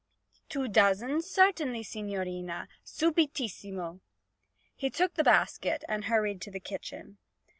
'Two dozen? Certainly, signorina. Subitissimo!' He took the basket and hurried to the kitchen.